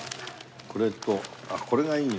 これとあっこれがいいね。